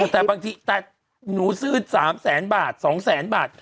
แต่บางทีแต่หนูซื้น๓๐๐๐๐๐บาท๒๐๐๐๐๐บาท